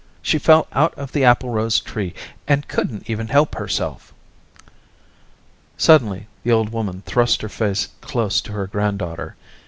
She fell out of the applerose tree, and couldn't even help herself." Suddenly the old woman thrust her face close to her granddaughter.